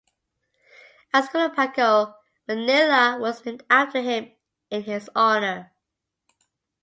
A school in Paco, Manila was named after him in his honor.